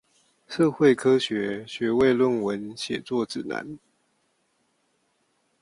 社會科學學位論文寫作指南